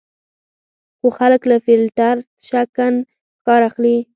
خو خلک له فیلټر شکن کار اخلي.